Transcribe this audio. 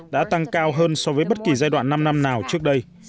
đã tăng cao hơn so với bất kỳ giai đoạn năm năm nào trước đây